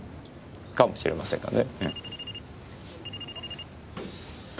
かもしれませんがね。